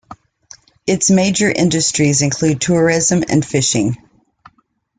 Its major industries include tourism and fishing.